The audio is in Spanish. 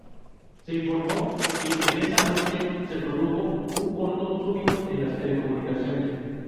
Se informó que en esa noche se produjo un corte súbito en las telecomunicaciones.